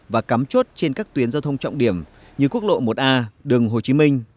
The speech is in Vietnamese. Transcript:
và cắm chốt trên các tuyến giao thông trọng điểm như quốc lộ một a đường hồ chí minh